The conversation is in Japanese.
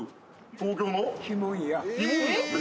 東京の！？